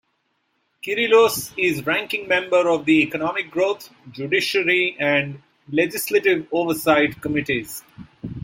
Kyrillos is ranking member of the Economic Growth, Judiciary and Legislative Oversight committees.